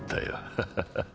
ハハハハ。